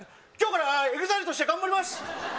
今日からＥＸＩＬＥとして頑張ります